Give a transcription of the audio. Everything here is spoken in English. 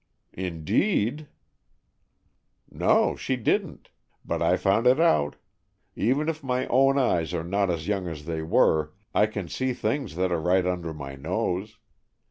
"Indeed?" "No, she didn't. But I found it out. Even if my own eyes are not as young as they were, I can see things that are right under my nose.